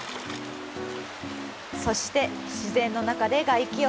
そして、自然の中で外気浴。